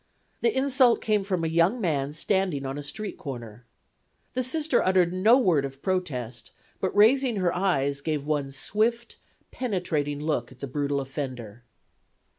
The insult came from a young man standing on a street corner. The Sister uttered no word of protest, but raising her eyes gave one swift, penetrating look at the brutal offender."